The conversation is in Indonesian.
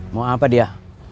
mau apa dia